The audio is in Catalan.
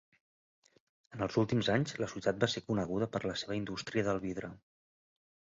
En els últims anys, la ciutat va ser coneguda per la seva indústria del vidre.